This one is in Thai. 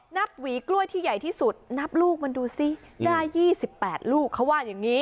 หวีกล้วยที่ใหญ่ที่สุดนับลูกมันดูสิได้๒๘ลูกเขาว่าอย่างนี้